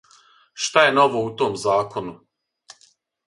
Шта је ново у том закону?